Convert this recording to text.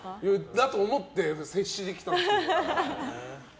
だと思って接してきたんですけど。